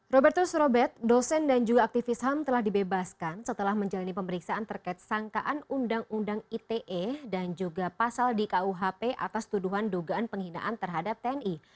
robertus robert dosen dan juga aktivis ham telah dibebaskan setelah menjalani pemeriksaan terkait sangkaan undang undang ite dan juga pasal di kuhp atas tuduhan dugaan penghinaan terhadap tni